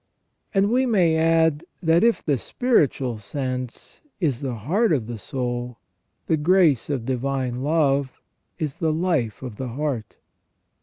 And we may add that if the spiritual sense is the heart of the soul, the grace of divine love is the life of the heart.